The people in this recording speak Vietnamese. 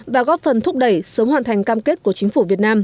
và góp phần thúc đẩy sớm hoàn thành cam kết của chính phủ việt nam